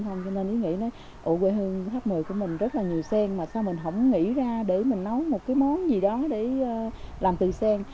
cho nên ý nghĩa là ồ quê hương tháp mười của mình rất là nhiều sen mà sao mình không nghĩ ra để mình nấu một cái món gì đó để làm từ sen